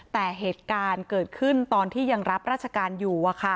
แต่เหตุการณ์เกิดขึ้นตอนที่ยังรับราชการอยู่